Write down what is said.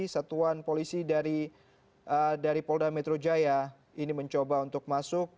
satuan polisi dari polda metro jaya ini mencoba untuk masuk